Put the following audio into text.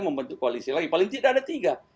membentuk koalisi lagi paling tidak ada tiga